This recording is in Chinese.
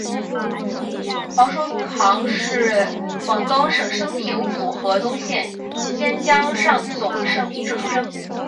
黄叔沆是广南省升平府河东县仙江上总盛平社出生。